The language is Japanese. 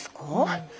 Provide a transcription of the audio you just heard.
はい。